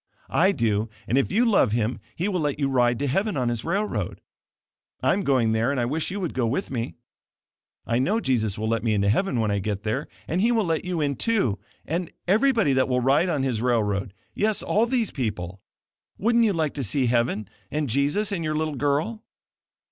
I do, and if you love Him, He will let you ride to heaven on His railroad. I am going there and I wish you would go with me. I know Jesus will let me into heaven when I get there and He will let you in, too, and everybody that will ride on His railroad yes, all these people. Wouldn't you like to see heaven and Jesus, and your little girl?"